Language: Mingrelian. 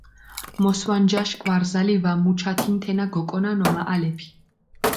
მოსვანჯაშ კვარზალი ვა მუჩათინ თენა გოკონანო მაჸალეფი.